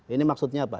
ini maksudnya apa